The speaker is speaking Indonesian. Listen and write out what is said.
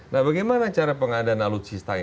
nah bagaimana cara pengadaan alutsistanya